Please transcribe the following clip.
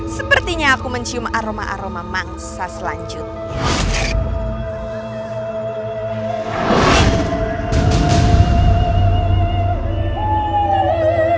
sepertinya aku mencium aroma aroma mangsa selanjutnya